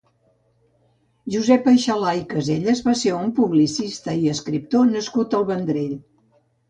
Josep Aixalà i Casellas va ser un publicista i escriptor nascut al Vendrell.